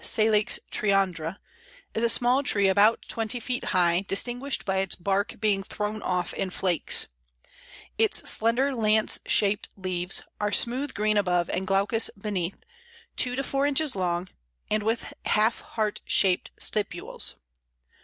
] The Almond leaved or French Willow (Salix triandra) is a small tree about twenty feet high, distinguished by its bark being thrown off in flakes. Its slender lance shaped leaves are smooth green above and glaucous beneath, two to four inches long, and with half heart shaped stipules.